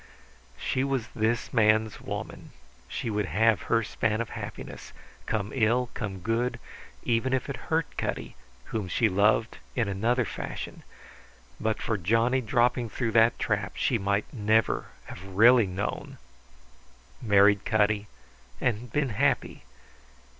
She was this man's woman. She would have her span of happiness, come ill, come good, even if it hurt Cutty, whom she loved in another fashion. But for Johnny dropping through that trap she might never have really known, married Cutty, and been happy.